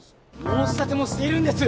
申し立てもしているんです！